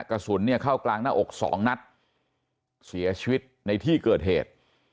กระสุนเนี่ยเข้ากลางหน้าอกสองนัดเสียชีวิตในที่เกิดเหตุ